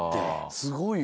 すごいよな。